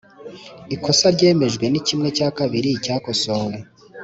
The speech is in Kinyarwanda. ikosa ryemejwe ni kimwe cya kabiri cyakosowe.